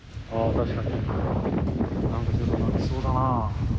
なんかちょっと泣きそうだな。